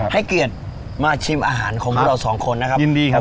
ให้เกียรติมาชิมอาหารของพวกเราสองคนนะครับยินดีครับ